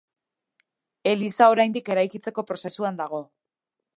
Eliza oraindik eraikitzeko prozesuan dago.